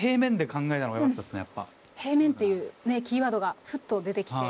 平面っていうねキーワードがふっと出てきて。